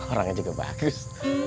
orangnya juga bagus